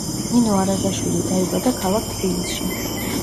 ნინო არაზაშვილი დაიბადა ქალაქ თბილისში.